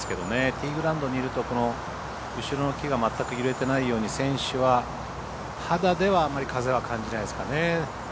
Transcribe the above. ティーグラウンドを見ると後ろの木が全く揺れてないように選手は肌ではあまり風は感じないですかね。